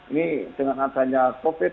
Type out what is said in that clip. ini dengan adanya covid